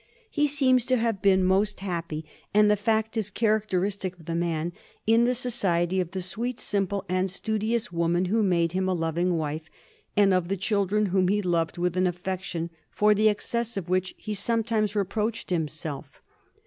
He seems to have been most happy — and the fact is characteristic of the man — in the society of the sweet, simple, and studious woman who made him a loving wife, and of the children whom he loved with sin affection for the excess of which be sometimes reproached himself.